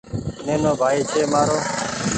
نينو ڀآئي ڇي مآرو ۔